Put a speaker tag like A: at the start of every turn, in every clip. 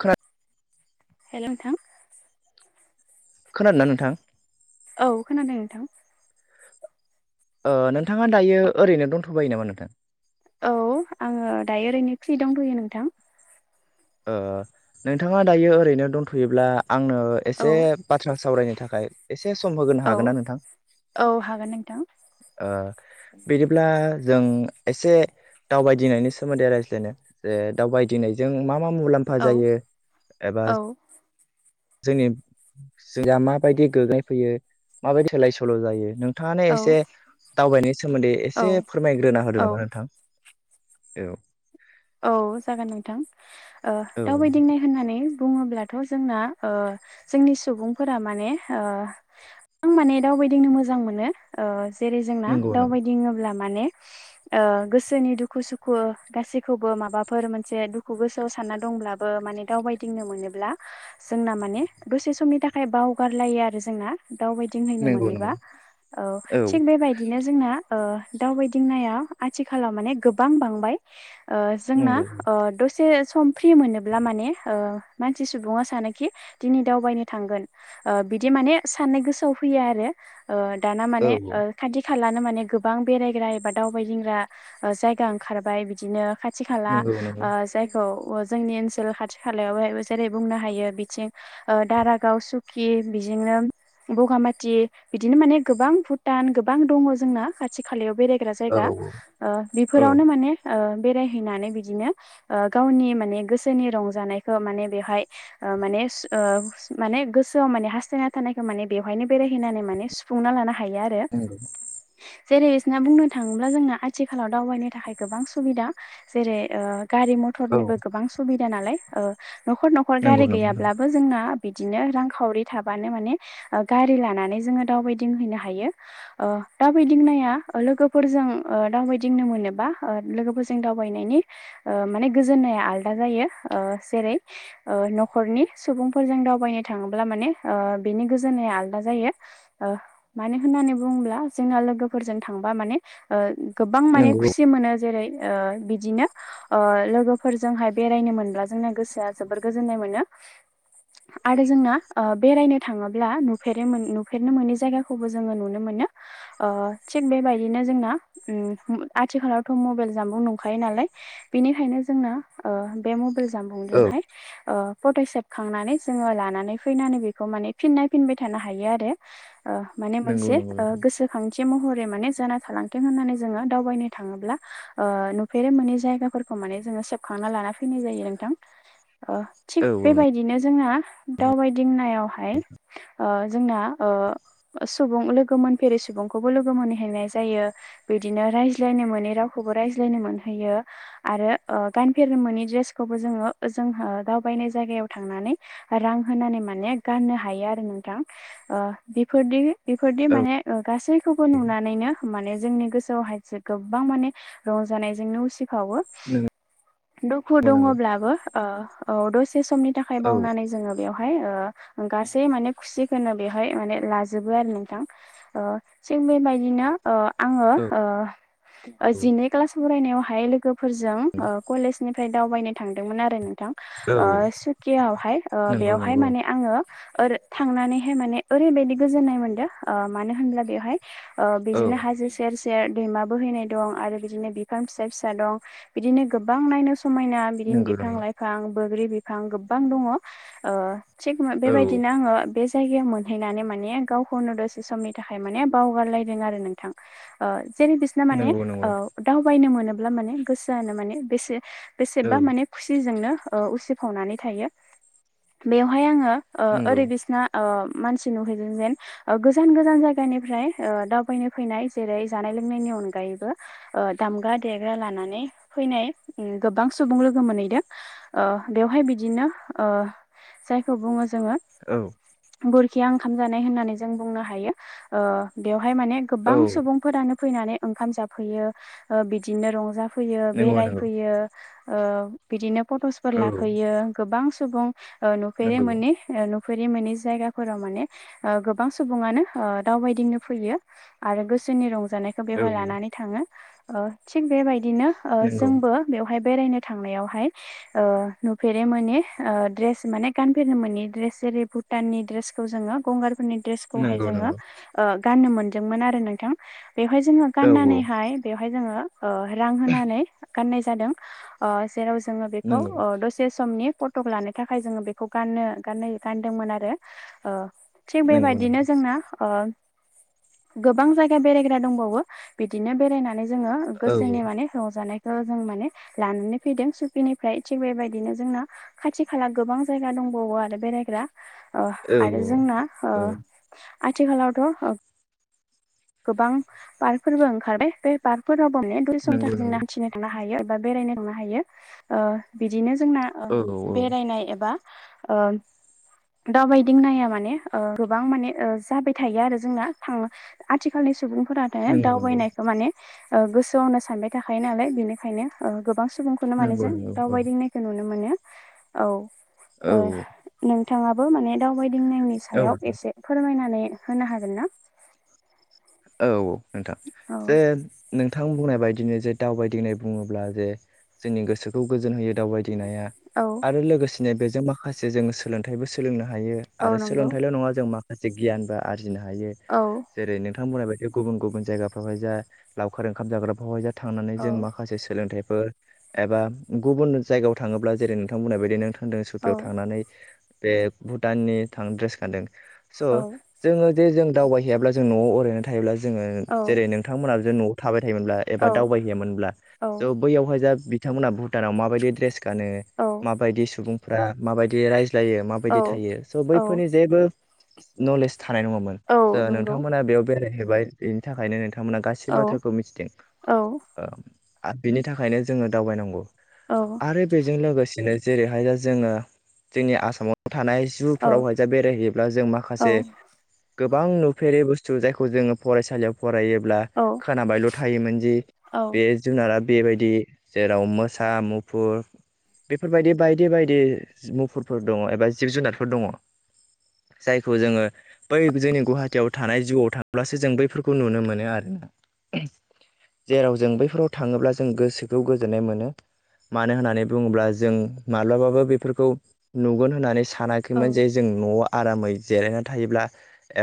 A: खोना
B: हेल' नोंथां?
A: खोनादोंना नोंथां?
B: औ खोनादों नोंथां।
A: ओ नोंथाङा दायो ओरैनो दंथ'बायो नामा नोंथां?
B: औ आङो दायो ओरैनो फ्रि दंथ'यो नोंथां।
A: ओ नोंथाङा दायो ओरैनो दंथ'योब्ला आंनो
B: औ
A: एसे बाथ्रा सावरायनो थाखाय एसे सम होगोनो
B: औ
A: हागोन्ना नोंथां?
B: औ हागोन नोंथां
A: ओ बिदिब्ला जों एसे दावबायदिंनायनि सोमोन्दै रायज्लायनो जे दावबायदिंनायजों मा मा मुलाम्फा
B: औ
A: जायो एबा
B: औ
A: जोंनि [unintelligible] माबायदि [unintelligible] फैयो माबायदि सोलाय सोल' जायो, नों नोंथाङानो
B: औ
A: एसे दावबायनायनि सोमोन्दै एसे
B: औ
A: फोरमायग्रोना होदो
B: औ
A: नामा नोंथां। [inaudible]
B: औ जागोन नोंथां। ओ
A: औ
B: दावबायदिंनाय होननानै बुङोब्ला थ' जोंना ओ जोंनि सुबुंफोरा माने ओ आं माने दावबायदिंनो मोजां मोजां मोनो ओ जेरै जोंना
A: नंगौ नंगौ
B: दावबायदिङोब्ला माने ओ गोसोनि दुखु सुखु गासै खौबो माबाफोर मोनसे दुखु गोसोआव सानना दंब्लाबो माने दावबायदिंनो मोनोब्ला जोंना माने दसे समनि थाखाय बावगारलायो आरो जोंना। दावबायदिंहैनो
A: नंगौ नंगौ
B: मोनोबा औ थिग बेबायदिनो जोंना ओ दावबायदिंनाया आथिखालाव माने गोबां बांबाय। ओ जोंना
A: नंगौ
B: अ दसे सम फ्रि मोनोब्ला माने ओ मानसि सुबुङा सानोखि दिनै दावबायनो थांगोन। ओ बिदि माने सान्नाय गोसोआव फैयो आरो ओ दाना
A: औ
B: माने ओ खाथि खालानो माने गोबां बेरायग्रा एबा दावबायदिंग्रा जायगा ओ ओंखारबाय। बिदिनो खाथि खाला
A: नंगौ नंगौ
B: ओ जायखौ अ जोंनि ओनसोल खाथि खालायावाय जेरै बुंनो हायो बिथिं ओ दारागाव सुखि बि दिनो बगामाथि बिदिनो माने गोबां भुटान गोबां दङ जोंना खाथि खालायाव बेरायग्रा
A: औ
B: जायगा।
A: औ
B: ओ
A: औ
B: बिफोरावनो माने ओ बेराय हैनानै बिदिनो ओ गावनि माने गोसोनि रंजानायखौ माने बेवहाय ओ माने माने गोसोआव माने हास्थायना थानायखौ माने बेवहायनो बेरायहैनानै माने सुफुंना लानो हा हायो आरो।
A: नंगौ
B: जेरै इसना बुंनो थाङोब्ला जोंना आथिखालाव दावबायनो थाखाय गोबां सुबिदा। जेरै ओ गारि
A: औ
B: मथरनिबो गोबां सुबिदा नालाय। ओ 'खर न'खर
A: नंगौ
B: गारि
A: नंगौ
B: गैयाब्लाबो जोंना बिदिनो रांखावरि थाबानो माने गारि लानानै जोङो दावबायदिंहैनो हायो। ओ दावबायदिंनाया ओ लोगोफोरजों ओ दावबायदिंनो मोनोबा लोगोफोरजों जों दावबायनायनि ओ माने गोजोन्नाया आलदा जायो जेरै न'खरनि सुबुंफोरजों दावबायनो थाङोब्ला माने ओ बेनि गोजोननाया आलदा जायो मानो होन होननानै बुङोब्ला जोंना लोगोफोरजों थांबा माने ओ गोबां माने
A: नंगौ
B: खुसि मोनो जेरै ओ बिदिनो लोगोफोरजोंहाय बेरायनो मोनब्ला जोंना गोसोआ जोबोर गोजोननाय मोनो। [inaudible] आरो जोंना ओ बेरायनो थाङोब्ला नुफेरनो नुफेरनो मोनै जायगाखौबो जोङो नुनो मो नो थिग बेबायदिनो जोंना उम आथिालावथ' मबेल जामबुं दंखायो नालाय बेनिखायनो जोङो ओ बे मबाइल
A: औ
B: जामबुंजोंहाय ओ फट' सेबखांनानै जोङो लानानै फैनानै बेखौ माने फिन नाक्षफिनबाय थानो हायो आरो। ओ माने
A: नंगौ
B: मोनसे
A: नंगौ
B: गोसोखांथि महरै माने जाना थालांथों होननानै जोङो दावबायनो थाङोब्ला ओ नुफेरनो मोनै जायगाफोरखौ माने जोङो सेबखांना लाना फैनाय जायो नोंथां। अ थिग
A: औ
B: बेबायदिनो जोंहा दावबायदिंनायावहाय ओ जोंना सुबुं लोगो मोनफेरि सुबुंखौबो लोगो मोनहैनाय जायो बिदिनो रायज्लायनो मोनै राव खौबो रायज्लायनो मोनयो आरो गानफेरनो मोननि द्रेसखौबो जोङो जोंहा दावबाय नाय जायगायाव थांनानै रां होनानै माने गाननो हायो आरो नोंथां ओ बेफोरदि बेफोरदि
A: औ
B: माने ओ गासैखौबो नुनानैनो माने जोंनि गोसोआवहायसे गोबां माने रंजानायजोंनो उसिफावो।
A: नंगौ
B: दुखु
A: नंगौ
B: दङब्लाबो ओ औ दसे समनि थाखाय
A: औ
B: बावनानै जोङो बेवहाय ओ गासै माने खुसिखौनो बेवहाय माने लाजोबो आरो नोंथां। ओ थिग बेबायदिनो ओ आङो
A: औ
B: ओ जिनै क्लास फरायनायावहाय लोगो फोरजों ओ कलेजनिफ्राय दावबायनो थांदोंमोन आरो नोंथां ओ सुकियावहाय ओ
A: नंगौ
B: बेयावहाय
A: नंगौ
B: माने आङो ओर थांनानैहाय माने ओरैबायाददि गोजोननाय मोनदों मानो होनब्ला बेवहाय ओ
A: औ
B: बिदिनो हाजो सेर सेर दैमा बोहैनाय दं बिफां फिसा फिसा दं बिदिनो गोबां नायनो समायना समायना बिदिनो
A: नंगौ
B: बिफां
A: नंगौ औ
B: लाइफां बोग्रि बिफां गोबां दङो। ओ थिग बेबायदिनो आङो बे जायगायाव मोनहैनानै माने गावखौनो दसे समनि थाखाय माने बावगारलायदों आरो नोंथां। ओ जेरै बिसिना माने
A: नंगौ नंगौ
B: ओ
A: औ
B: दावबायनो मोनोब्ला माने गोसोआनो माने बेसे बेसेबा माने खुसिजोंनो उसिफावनानै थायो। बेवहाय आङो ओ ओरै बिसिना ओ मानसि नुहैदों जेन गोजान गोजान जायगानिफ्राय ओ दावबायनो फैनाय जेरै जानाय लोंनायनि अनगायैबो ओ दामग्रा देग्रा लानानै फैनाय गोबां सुबुं लोगो मोनहैदों। ओ बेयावहाय बिदिनो ओ जायखौ बुङो जोङो बरखिया ओंखाम जानाय होननानै जों बुंनो हायो ओ बेवहाय माने गोबां सुबुंफोरानो फैनानै ओंखाम जाफैयो बिदिनो रंजा फैयो
A: नंगौ औ
B: बेरायफैयो ओ बिदिनो फट'सफोर
A: औ नंगौ औ
B: लाफैयो गोबां सुबुं ओ नुफेरनो मोनि नुफेरनो मोनै जायगाफोराव माने गोबां सुबुङानो दावबायदिंनो फैयो आरो गोसोनि रंजा नायखो बेवहाय लानानै थाङो। ओ थिग बे बादिनो
A: नंगौ औ
B: जोंबो बेवहाय बेरायनो थांनायावहाय ओ नुफेरनो मोनि माने गानफेरनो मोनि द्रेस जेरै भुटाननि द्रेसखौ जोङो गंगार भुटाननि द्रेसखौहाय
A: नंगौ
B: जोङो
A: नंगौ नंगौ औ
B: ओ गाननो मोनदोंमोन आरो नोंथां। बेहाय जोङो गाननानै बेहाय जोङो ओ रां होनानै गाननाय जादों ओ जेराव जोङो बेखौ
A: नंगौ
B: ओ दसे समनि फटक लानो थाखाय जोङो बेखौ गाननो गानो गानदोंमोन आरो ओ थिग
A: नंगौ
B: बेबायदिनो
A: नंगौ
B: जोंना ओ गोबां जायगा बेरायग्रा दंबावो बिदिनो बेरायनानै जोङो
A: औ
B: गोसोनि माने रंजानाय खौ जों माने लानानै फैदों। सुकिनिफ्राय थिग बेबायदिनो जोंना खाथि खाला गोबां जायगा दं बावो आरो बेरायग्रा। ओ
A: औ
B: आरो जोंना ओ
A: औ
B: आथिखालावथ' गोबां पार्कफोरबो ओंखारबाय बे पार्कफोराव [unintelligible] बा
A: नंगौ
B: बेरायनाय
A: नंगौ
B: थांनो हायो ओ बिदिनो जोंना ओ
A: औ औ
B: बेरायनाय एबा ओ दावबायदिंनाया माने ओ गोबां माने ओ जाबाय थायो आरो जोंना थांनो आथिखालनि सुबुंफोरानो
A: नंगौ नंगौ
B: दावबायनायखौ माने ओ गोसोआवनो सानबाय थाखायो नालाय बेनिखायनो गोबां सुबुंखौनो मानो
A: नंगौ
B: जों
A: नंगौ औ
B: दावबायदिंनायखौ नुनो मोनो औ
A: औ
B: नों
A: औ
B: नोंथांङाबो माने दावबायदिंनायनि
A: औ
B: सायाव
A: नोंथां
B: एसे फोरमायनानै होनो हागोन ना
A: औ नोंथां
B: औ
A: जे नों नोंथां बुंनाय बायदिनो जे दावबायदिंनाय बुंङोब्ला जे जोंनि गोसोखौ गोजोन होयो दावबायदिनाया
B: औ
A: आरो लोगोसेनो बेजों माखासे जों सोलोंथाइबो सोलोंनो हायो
B: औ
A: आरो
B: नंगौ
A: सोलोंथाइल नंङा जों माखासे गियानबो आरजिनो हायो
B: औ
A: जेरै नोंथां थां बुंनाय बायदि गुबुन-गुबुन जायगाफ्रावहाय जा लावखार ओंखाम जाग्राफ्रावहाय जा थांनानै
B: औ
A: जों माखासे सोलोंथाइ ओ एबा गुबुन जायगायाव थांङोब्ला जेरै नोंथां बुंनाय बायदि नोंथां होनदों
B: औ
A: सकियाव थांनानै बे भुटाननि थां ड्रेस गानदों स
B: औ
A: जोंङो जे जों दावबायहैयाब्ला जों नआव ओरैनो थायोब्ला जों जोंङो
B: औ
A: जेरै नोंथांमोनाबो नआव थाबाय थायोमोनब्ला
B: औ
A: एबा दावबायहैयोनब्ला
B: औ
A: थ बैयावहाय जा बिथांमोनहा भुटानाव माबायदि ड्रेस गानो
B: औ
A: माबायदि सुबुंफोरा माबायदि राय जायो माबायदि
B: औ
A: थायो स
B: औ
A: बैफोरनि जेबो नलेज थानाय नंङामोन
B: औ नंगौ
A: नोंथांमोना बेयाव बेरायहैबाय बेनि थाखायनो नोंथां बिथांमोना गासै
B: औ
A: बाथ्राखौ मिथिदों बिनि थाखायनो जोंङो दावबायनांगौ
B: औ
A: आरो बेजों लोगोसेनो जेरैहाय दा जोंङो जोंनि आसामाव थानाय
B: औ
A: जुफोरावहाय बेरायहैयोब्ला जों
B: औ
A: माखासे गोबां नुफेरि बुस्थु स जायखौ जोंङो फरायसालियाव फरायोब्ला
B: औ
A: खोनाबायल थायोमोन जि
B: औ
A: बे जुनारा बेबायदि जेराव मोसा मुफुर बेफोरबायदि बायदि-बायदि मुफुरफोर दंङ एबा जिब जुनारफोर दंङ जायखौ जोंङो बै जोंनि गुवाहाटियाव थानाय जिउआव थांब्लासो जों बैफोरखौ नुनो मोनो आरोना जेराव जों बैफोराव थांङोब्ला जों गोसोखौ गोजोननाय मोनो मानो होननानै बुंङोब्ला जों माब्लाबाबो बेफोरखौ नुगोन होननानै सान
B: औ
A: सानाखैमोन जे जों नआव आरामै जिरायना थायोब्ला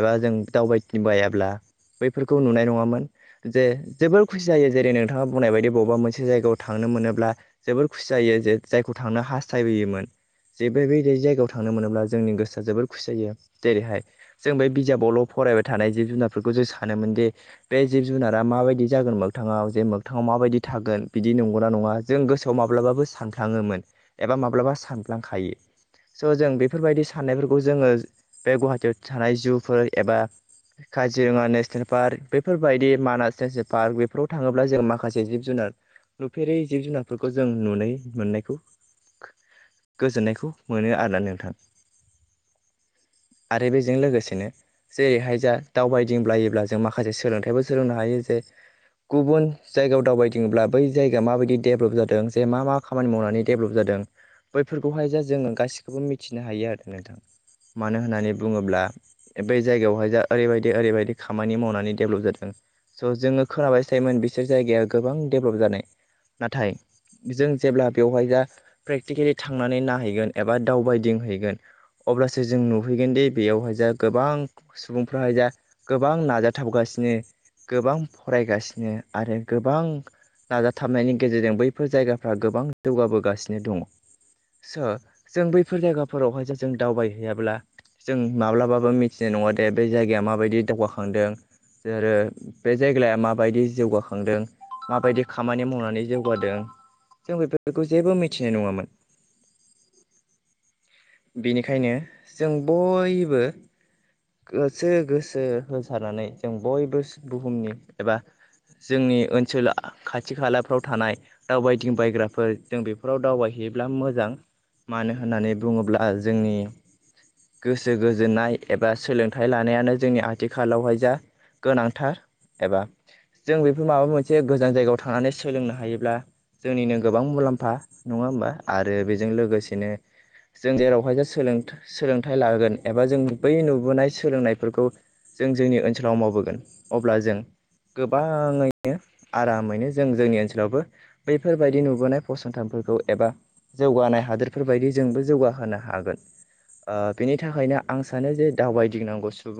A: एबा जों दावबाय बायाब्ला बैफोरखौ नुनाय नंङामोन जे जोबोर खुसि जायो जेरै नोंथांङा बुंनाय बायदि बबेबा मोनसे जायगायाव थांनो नो मोनोब्ला जोबोर खुसि जायो जे जायखौ थांनो हास्थायबोयोमोन जे बेबाय जायगायाव थांनो मोनोब्ला जोंनि गोसोआ जोबद खुसि जायो जेरैहाय जों बे बिजाबावल फरायबाय थानाय जिब जुनारफोरखौ जों सानोमोन दि बे जिब जुनारा माबायदि जागोन मोगथांङाव जे मोगथांङाव माबायदि थागोन बिदि नंगौना नंङा जों गोसोआव माब्लाबाबो सानफ्लांङोमोन एबा माब्लाबा सानफ्लांखायो स जों बेफोरबायदि साननायफोरखौ जोंङो बे गुवाहाटियाव थानाय जुफोर एबा काजिरंङा नेसनेल पार्क बेफोरबायदि मानास नेसनेल पार्क बेफोराव थांङोब्ला जों माखासे जिब जुनार नुफेरै जिब जुनारफोरखौ जों नुनाय मोननायखौ
B: [unintelligible]
A: गोजोननायखौ मोनो आरोना नोंथां आरो बेजों लोगोसेनो जेरैहाय जा दावबायदिंब्लायोब्ला जों माखासे सोलोंथाइबो सोलोंनो हायो जे गुबुन जायगायाव दावबायदिङब्ला बै जायगाया माबायदि डेभेलप जादों जे मा मा खामानि मावनानै डेभेलप जादों बैफोरखौहाय जा जोङो गासिखौबो मिथिनो हायो आरो नोंथां मानो होननानै बुङोब्ला बै जायगायावहाय जा ओरैबायदि ओरैबायदि खामानि मावनानै डेभलप जादों स' जोङो खोनाबाय थायोमोन बिसोर जायगाया गोबां डेभलप जानाय नाथाय जों जेब्ला बेवहाय जा प्रेक्टिकेलि थांनानै नायहैगोन एबा दावबायदिंहैगोन अब्लासो जों नुफैगोन दि बेयावहाय जा गोबां सुबुंफ्राहाय जा गोबां नाजाथाबगासिनो गोबां फरायगासिनो आरो गोबां नाजाथाबनायनि गेजेरजों बैफोर जायगाफ्रा गोबां जौगाबोगासिनो दङ। स' जों बैफोर जायगाफोरावहाय ज जों दावबायहैयाब्ला जों माब्लाबाबो मिथिनाय नङा दे बे जायगाया माबायदि दावगाखांदों [unintelligible] बे जायग्लाया माबायदि जौगाखांदों माबायदि खामानि मावनानै जौगादों जों बेफोरखौ जेबो मिथिनाय नङामोन।
B: ज [unintelligible]
A: बेनिखायनो जों बयबो गोसो गोसो होसारनानै जों बयबो बुहुमनि एबा जोंनि ओनसोल खाथि खालाफ्राव थानाय दावबायदिंबायग्राफोर जों बेफोराव दावबायै [unintelligible] योब्ला मोजां मानो होननानै बुङोब्ला जोंनि गोसो गोजोननाय एबा सोलोंथाइ लानायानो जोंनि आथिखालावहाय जा गोनांथार एबा जों बेफोर माबा मोनसे गोजान जायगायाव थांनानै सोलोंनो हायोब्ला जोंनिनो गोबां मुलाम्फा नङा होमबा आरो बेजों लोगोसेनो जों जेरावहाय ज सोलों सोलोंथाइ लागोन एबा जों बै नुबोनाय सोलोंनायफोरखौ जों जोंनि ओनसोलाव मावबोगोन अब्ला जों गोबाङैनो आरामैनो जों जोंनि ओनसोलावबो बैफोरबायदि नुबोनाय फसंथानफोर एबा जौगानाय हादोरफोर बायदि जोंबो जौगा होनो हागोन बेनि थाखायनो आं सानो जे दावबायदिनांगौ सुबुं